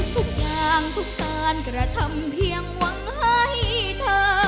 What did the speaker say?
ทุกอย่างทุกการกระทำเพียงหวังให้เธอ